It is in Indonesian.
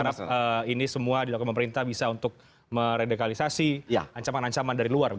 untuk kita mengharap ini semua dilakukan pemerintah bisa untuk meradikalisasi ancaman ancaman dari luar